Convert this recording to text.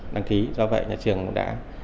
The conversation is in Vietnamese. đăng ký do vậy nhà trường đã